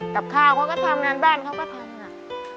กับข้าวเขาก็ทำงานบ้านเขาก็ทำอ่ะ